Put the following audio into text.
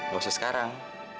gak usah sekarang